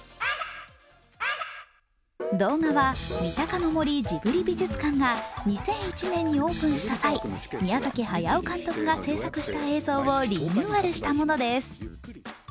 動画は三鷹の森ジブリ美術館が２００１年にオープンした際、宮崎駿監督が製作した映像をリニューアルしたものです。